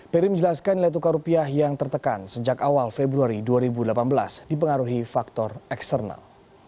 peri menjelaskan nilai tukar rupiah yang tertekan sejak awal februari dua ribu delapan belas dipengaruhi faktor eksternal